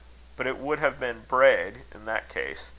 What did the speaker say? But it would have been braid in that case.